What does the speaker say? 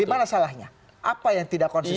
gimana salahnya apa yang tidak konsisten